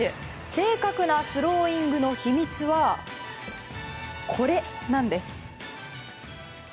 正確なスローイングの秘密はこれなんです。